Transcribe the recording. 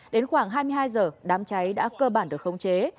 đến khoảng hai mươi hai h đám cháy đã cơ bản được khống chế